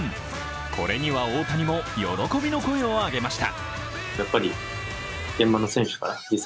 これには大谷も喜びの声を上げました。